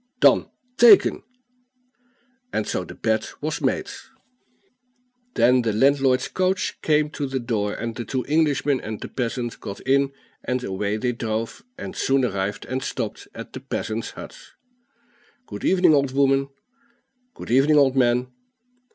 "Done! taken!" and so the bet was made. Then the landlord's coach came to the door, and the two Englishmen and the peasant got in, and away they drove, and soon arrived and stopped at the peasant's hut. "Good evening, old woman." "Good evening, old man."